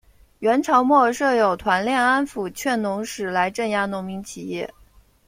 元朝末设有团练安辅劝农使来镇压农民起义。